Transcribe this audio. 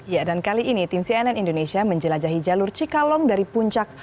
ya dan kali ini tim cnn indonesia menjelajahi jalur cikalong dari puncak